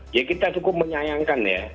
ya kita cukup menyayangkan ya